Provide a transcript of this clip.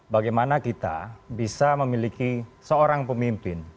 bagaimana kita bisa memiliki seorang pemimpin